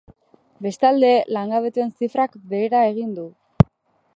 Bestalde, langabetuen zifrak behera egin du.